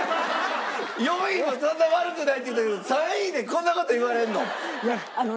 ４位もそんな悪くないって言ったけど３位でこんな事言われるの？